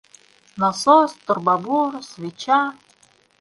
— Насос, турбобур, свеча...